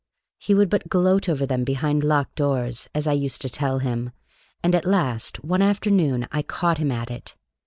He could but gloat over them behind locked doors, as I used to tell him, and at last one afternoon I caught him at it.